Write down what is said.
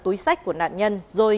túi sách của nạn nhân rồi